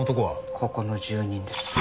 ここの住人です。